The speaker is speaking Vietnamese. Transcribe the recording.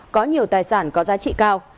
có nhiều tài sản có giá trị cao